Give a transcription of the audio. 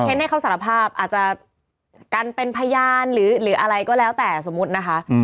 ให้เขาสารภาพอาจจะกันเป็นพยานหรืออะไรก็แล้วแต่สมมุตินะคะ